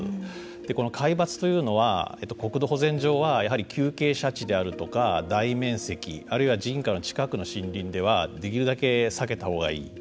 この皆伐というのは国土保全上は急傾斜地であるとか大面積、人家の近くの森林ではできるだけ避けたほうがいい。